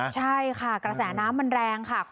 ใช่ค่ะกระแสน้ำมันแรงค่ะ